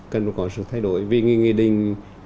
cần có sự thay đổi vì nghi định